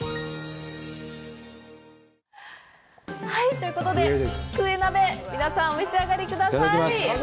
はい、ということで、クエ鍋、皆さん、お召し上がりください！